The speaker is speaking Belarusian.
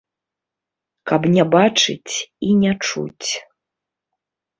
Каб не бачыць і не чуць.